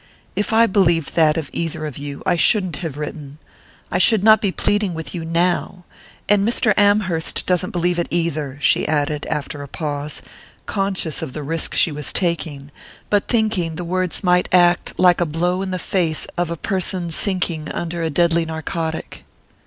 "If I believed that of either of you, I shouldn't have written I should not be pleading with you now And Mr. Amherst doesn't believe it either," she added, after a pause, conscious of the risk she was taking, but thinking the words might act like a blow in the face of a person sinking under a deadly narcotic.